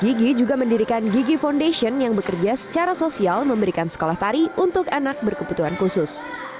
gigi juga mendirikan gigi foundation yang bekerja secara sosial memberikan sekolah tari untuk anak berkebutuhan khusus